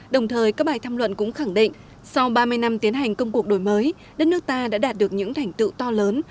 đồng thời các bài tham luận cũng khẳng định sau ba mươi năm tiến hành công cuộc đổi mới đất nước ta đã đạt được những thành tựu to lớn